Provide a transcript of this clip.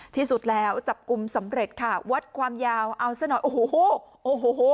ที่สุดแล้วจับกลุ่มสำเร็จค่ะวัดความยาวเอาซะหน่อยโอ้โหโอ้โห